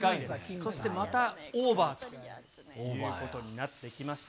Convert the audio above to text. そしてまたオーバーということになってきました。